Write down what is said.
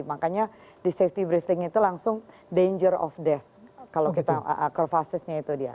makanya di safety briefting itu langsung danger of death kalau kita ke fasisnya itu dia